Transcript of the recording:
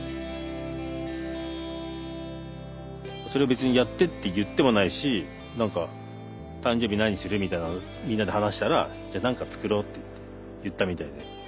それを別に「やって」って言ってもないし何か「誕生日に何する？」みたいなみんなで話したら「じゃあ何か作ろう」って言ったみたいで。